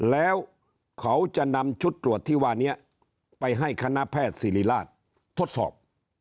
แล้วเขาจะนำชุดตรวจที่ว่านี้ไปให้คณะแพทย์ศิริราชทดสอบ